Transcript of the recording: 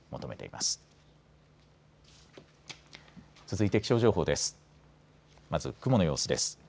まず雲の様子です。